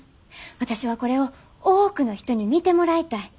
私はこれを多くの人に見てもらいたい。